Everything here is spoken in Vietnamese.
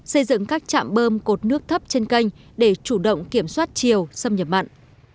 xây dựng các trạm bơm cột nước thấp trên kênh để chủ động kiểm soát chiều xâm nhập mặn